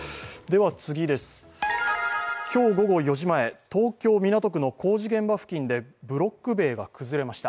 次です、今日午後４時前東京・港区の工事現場付近でブロック塀が崩れました。